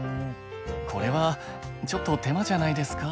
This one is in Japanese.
これはちょっと手間じゃないですか？